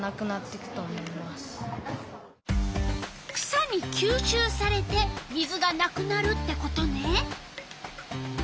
草にきゅうしゅうされて水がなくなるってことね。